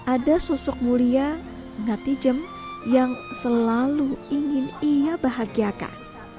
ada sosok mulia ngatijem yang selalu ingin ia bahagiakan